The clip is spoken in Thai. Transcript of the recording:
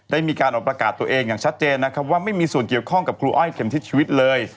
ได้มีการออกประกาศตัวเองอย่างชัดเจนนะครับว่าไม่มีส่วนเกี่ยวข้องกับครูอ้อยเข็มทิศชีวิตเลย